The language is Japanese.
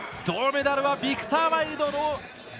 銅メダルはビクター・ワイルド。